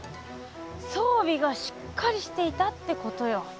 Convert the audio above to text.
そうびがしっかりしていたってことよ。